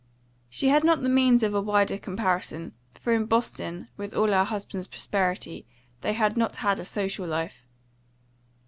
She had not the means of a wider comparison; for in Boston, with all her husband's prosperity, they had not had a social life.